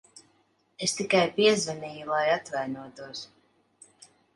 Es tikai piezvanīju, lai atvainotos.